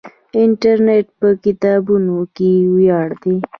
انټرنیټ په کتابتون کې وړیا دی.